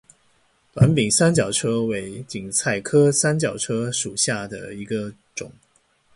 短柄三角车为堇菜科三角车属下的一个种。